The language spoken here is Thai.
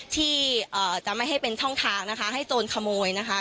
ที่จะไม่ให้เป็นช่องทางนะคะให้โจรขโมยนะคะ